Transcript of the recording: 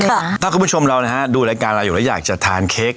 ถ้าคุณผู้ชมเรานะฮะดูรายการเราอยู่แล้วอยากจะทานเค้ก